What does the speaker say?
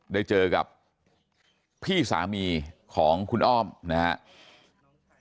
ได้เจอกับพี่สามีของคุณอ้อมนะครับ